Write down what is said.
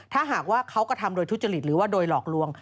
ถ้าหากว่าเขากระทำโดยทุจริตหรือว่าโดยหลอกลวง